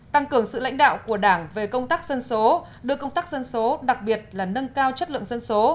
tăng cường sự lãnh đạo của đảng về công tác dân số đưa công tác dân số đặc biệt là nâng cao chất lượng dân số